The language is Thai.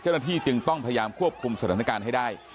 เจ้าหน้าที่จึงต้องพยายามควบคุมสถานการณ์ให้ได้